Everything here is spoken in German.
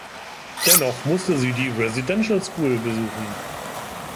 Dennoch musste sie die Residential School besuchen.